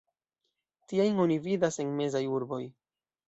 Tiajn oni vidas en mezaj urboj.